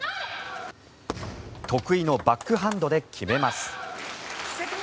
得意のバックハンドで決めます。